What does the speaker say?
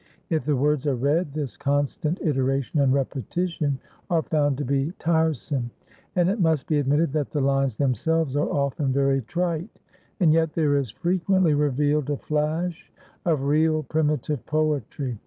If the words are read, this constant iteration and repetition are found to be tiresome; and it must be admitted that the lines themselves are often very trite. And, yet, there is frequently revealed a flash of real, primitive poetry.